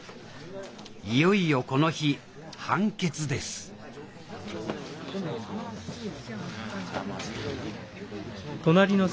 いよいよこの日判決ですどなた？